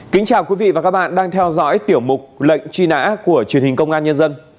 kính chào quý vị và các bạn đang theo dõi tiểu mục lệnh truy nã của truyền hình công an nhân dân